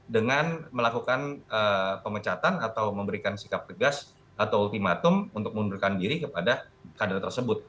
dengan melakukan pemecatan atau memberikan sikap tegas atau ultimatum untuk mundurkan diri kepada kader tersebut